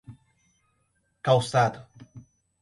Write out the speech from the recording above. Calçado